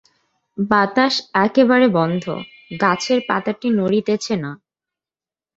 বাতাস একেবারে বন্ধ, গাছের পাতাটি নড়িতেছে না।